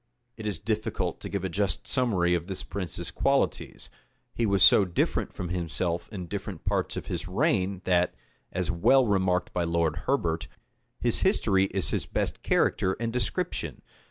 It is difficult to give a just summary of this prince's qualities: he was so different from himself in different parts of his reign, that, as is well remarked by Lord Herbert, his history is his best character and description.